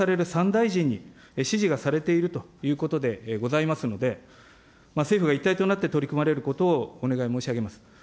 ３大臣に指示がされているということでございますので、政府が一体となって取り組まれることをお願い申し上げます。